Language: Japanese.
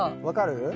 分かる？